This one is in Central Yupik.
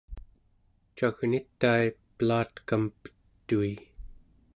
cagnitai pelatekam petui